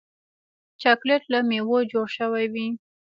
چاکلېټ له میوو جوړ شوی وي.